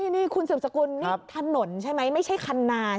นี่คุณสืบสกุลนี่ถนนใช่ไหมไม่ใช่คันนาน